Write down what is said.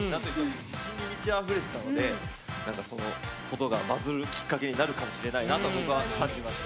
自信に満ちあふれていたのでそのことが、バズるきっかけになるかもしれないと僕は感じました。